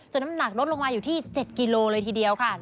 น้ำหนักลดลงมาอยู่ที่๗กิโลเลยทีเดียวค่ะ